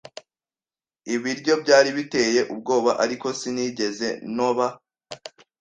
Ibiryo byari biteye ubwoba, ariko sinigeze ntoba.